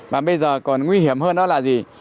mà bây giờ còn nguy hiểm hơn đó là gì